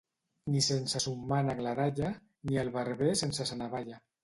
Ni sense son mànec la dalla, ni el barber sense sa navalla.